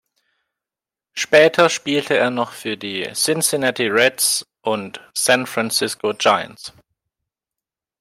Später spielte er noch für die die Cincinnati Reds und San Francisco Giants.